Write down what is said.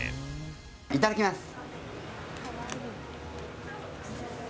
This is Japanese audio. いただきます。